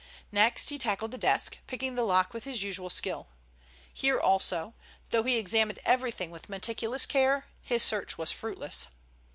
Next he tackled the desk, picking the lock with his usual skill. Here also, though he examined everything with meticulous care, his search was fruitless.